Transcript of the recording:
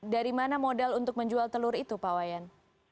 dari mana modal untuk menjual telur itu pak wayan